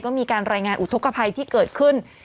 ก็มีการรายงานอุทธกภัยที่เกิดขึ้น